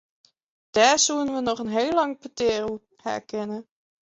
Dêr soenen we noch in heel lang petear oer ha kinne.